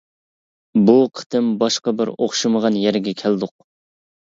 بۇ قېتىم باشقا بىر ئوخشىمىغان يەرگە كەلدۇق.